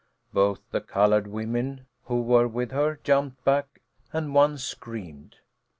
Both the coloured women who were with her jumped back, and one screamed.